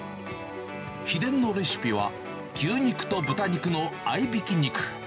秘伝のレシピは、牛肉と豚肉の合いびき肉。